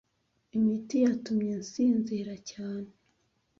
Imiti yatumye nsinzira cyane.